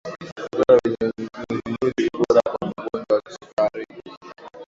vyakula vyenye nyuzinyuzi ni bora kwa mgonjwa wa kisukari